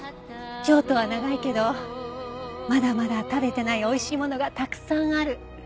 京都は長いけどまだまだ食べてない美味しいものがたくさんある。